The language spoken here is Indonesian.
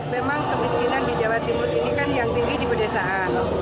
memang kemiskinan di jawa timur ini kan yang tinggi di pedesaan